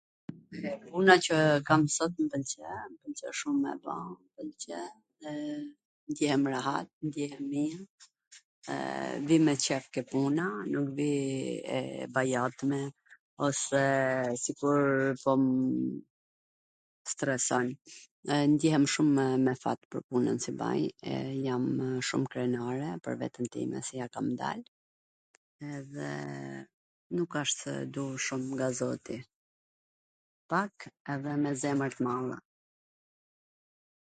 Puna qw kam sot mw pwlqen, mw pwlqen shum me e ba, ndjehem rahat, ndjehem mir e vij me qef ke puna, nuk vij e bajatme, ose pwr ... po m stresojn... e ndjehem shume me fat pwr punwn qw baj, jamw shum krenare pwr veten time se ja kam dal, edhe nuk ashtw duhur shum nga Zoti, Pak edhe me zemwr t madhe.